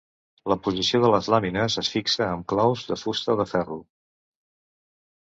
La posició de les làmines es fixa amb claus de fusta o de ferro.